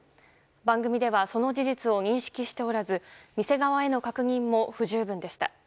番組ではその事実を認識しておらず、店側への確認も不十分でした。